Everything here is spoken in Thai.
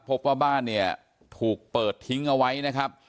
พบว่าบ้านเนี่ยถูกเปิดทิ้งเอาไว้นะครับ